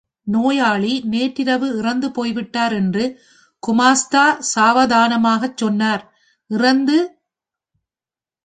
நோயாளி நேற்றிரவு இறந்துபோய்விட்டார் என்று குமாஸ்தா சாவதானமாகச் சொன்னார், இறந்து.?